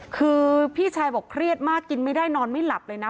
คือพี่ชายบอกเครียดมากกินไม่ได้นอนไม่หลับเลยนะ